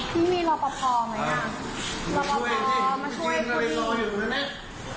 พี่มีรอปะพอไหมคะรอปะพอมาช่วยผู้หญิง